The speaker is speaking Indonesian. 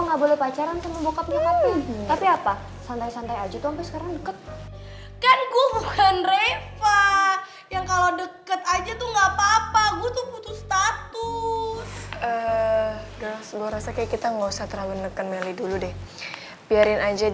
gue gak mau tuker